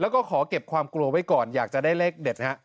แล้วก็ขอเก็บความกลัวไว้ก่อนอยากจะได้เลขเด็ดฮะ